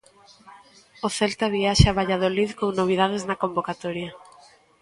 O Celta viaxa a Valladolid con novidades na convocatoria.